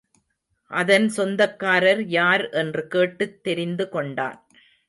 அதன் சொந்தக்காரர் யார் என்று கேட்டுத் தெரிந்து கொண்டான்.